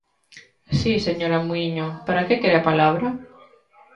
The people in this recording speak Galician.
Si, señora Muíño, ¿para que quere a palabra?